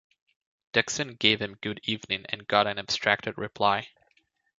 Dickson gave him good evening and got an abstracted reply.